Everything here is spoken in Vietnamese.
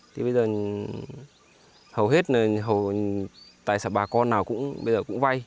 thì bây giờ hầu hết tài sản bà con nào bây giờ cũng vay